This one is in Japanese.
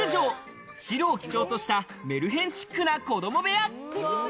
白を基調としたメルヘンチックな子供部屋。